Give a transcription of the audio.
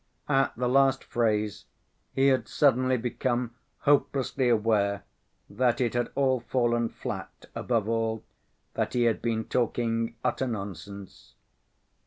At the last phrase he had suddenly become hopelessly aware that it had all fallen flat, above all, that he had been talking utter nonsense.